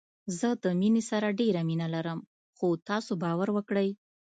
زه د مينې سره ډېره مينه لرم خو تاسو باور وکړئ